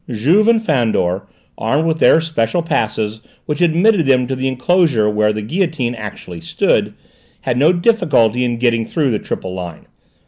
Juve and Fandor, armed with their special passes which admitted them to the enclosure where the guillotine actually stood, had no difficulty in getting through the triple line.